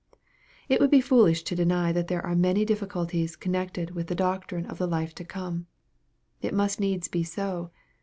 It would be foolish to deny that there are many dif ficulties connected with the doctrine of the life to come. It must needs be so.